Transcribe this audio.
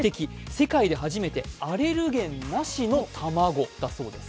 世界で初めてアレルゲンなしの卵だそうです。